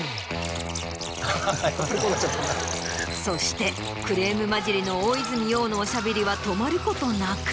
そしてクレームまじりの大泉洋のおしゃべりは止まることなく。